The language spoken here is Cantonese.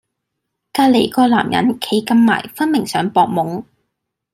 隔離嗰男人企咁埋分明想博懵